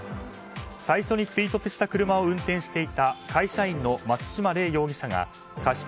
最初に追突した車を運転していた会社員の松島嶺容疑者が過失